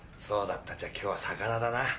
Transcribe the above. そうだったじゃ今日は魚だな。